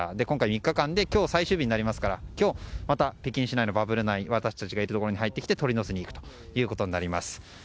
今回、３日間で今日、最終日になりますから今日また北京市内のバブル内、私たちがいるところに入ってきて鳥の巣に行くことになります。